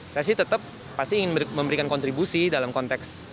saya sih tetap pasti ingin memberikan kontribusi dalam konteks